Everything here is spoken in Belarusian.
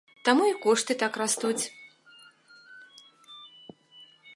Таму і кошты так растуць.